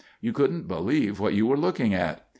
You couldn't believe what you were looking at.